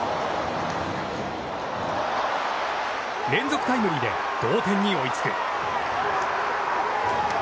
連続タイムリーで同点に追いつく。